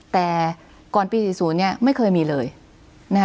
แต่ก่อนปี๔๐เนี่ยไม่เคยมีเลยนะคะ